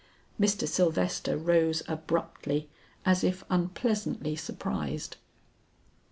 Mr. Sylvester rose abruptly as if unpleasantly surprised.